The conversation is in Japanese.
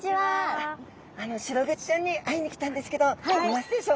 シログチちゃんに会いに来たんですけどいますでしょうか？